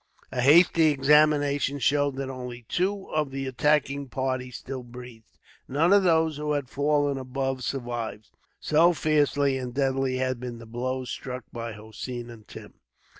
A hasty examination showed that only two of the attacking party still breathed. None of those who had fallen above survived, so fiercely and deadly had been the blows struck by Hossein and Tim.